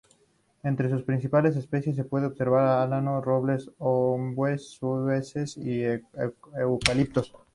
Entre sus principales especies se puede observar álamos, robles, ombúes, sauces y eucaliptos.